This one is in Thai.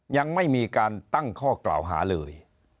ยังไม่มีการตั้งข้อกล่าวหาเลย